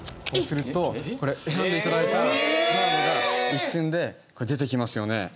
こうするとこれ選んで頂いたカードが一瞬で出てきますよね。